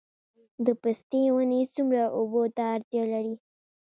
د پستې ونې څومره اوبو ته اړتیا لري؟